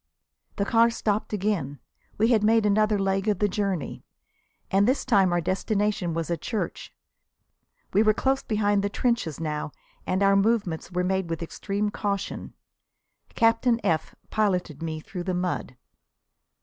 The car stopped again. We had made another leg of the journey. And this time our destination was a church. We were close behind the trenches now and our movements were made with extreme caution. Captain F piloted me through the mud.